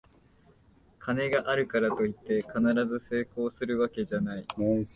金があるからといって必ず成功するわけじゃない